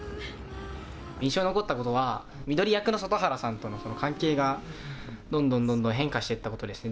印象に残ったことは翠役の外原さんとのその関係がどんどんどんどん変化していったことですね。